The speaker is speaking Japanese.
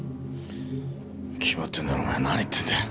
決まってんだろお前何言ってんだよ。